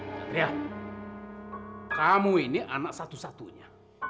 satria kamu ini anak satu satunya